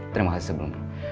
terima kasih sebelumnya